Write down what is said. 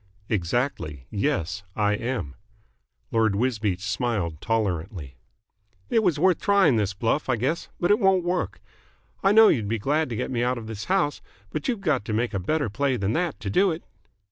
"Exactly. Yes, I am." Lord Wisbeach smiled tolerantly. "It was worth trying the bluff, I guess, but it won't work. I know you'd be glad to get me out of this house, but you've got to make a better play than that to do it."